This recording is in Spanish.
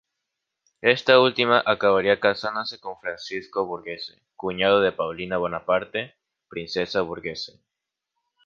Ésta última acabaría casándose con Francesco Borghese, cuñado de Paulina Bonaparte, princesa Borghese.